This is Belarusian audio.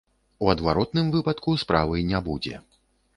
У адваротным выпадку справы не будзе.